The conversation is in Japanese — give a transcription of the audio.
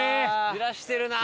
焦らしてるなあ！